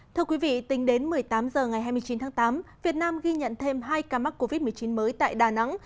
thưa quý vị tính đến một mươi tám h ngày hai mươi chín tháng tám việt nam ghi nhận thêm hai ca mắc covid một mươi chín mới tại đà nẵng